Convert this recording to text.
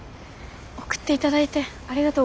送って頂いてありがとうございました。